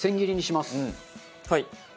はい。